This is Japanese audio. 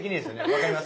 分かります。